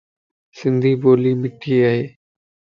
سنڌي ٻولي مٺي ائي.